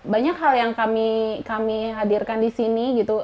banyak hal yang kami hadirkan di sini gitu